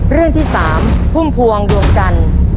เรื่องที่๓พุ่มพวงดวงจันทร์